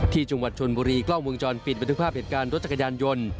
ที่จังหวัดชนบุรีกล้องวงจรปิดบันทึกภาพเหตุการณ์รถจักรยานยนต์